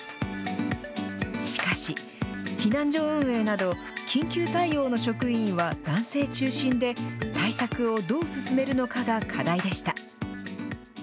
しかし、避難所運営など、緊急対応の職員は男性中心で、対策をどう進めるのかが課題でした。